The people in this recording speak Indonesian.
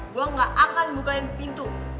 gue gak akan bukain pintu